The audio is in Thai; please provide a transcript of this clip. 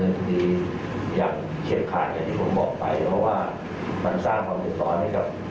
เป็นน้ำเรียนเขาต้องไปเรียนหนังสือนะครับ